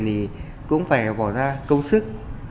thì cũng phải bỏ ra công sức